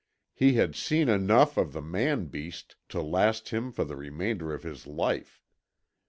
He had seen enough of the man beast to last him for the remainder of his life.